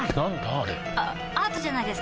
あアートじゃないですか？